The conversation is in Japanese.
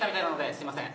すいません。